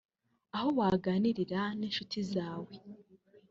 aho waganirira n’inshuti zawe